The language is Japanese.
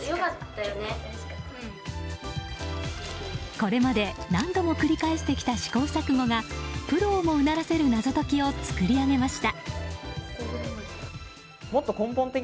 これまで、何度も繰り返してきた試行錯誤がプロをも、うならせる謎解きを作り上げました。